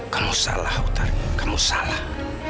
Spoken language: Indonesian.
kamu salah hutan kamu salah